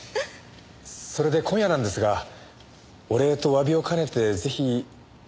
それで今夜なんですがお礼とおわびをかねてぜひお食事でもいかがかと。